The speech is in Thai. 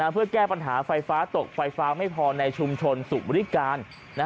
เพื่อแก้ปัญหาไฟฟ้าตกไฟฟ้าไม่พอในชุมชนสุบริการ